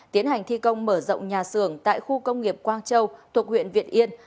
tiến hành thi công mở rộng nhà xưởng tại khu công nghiệp quang châu thuộc huyện việt yên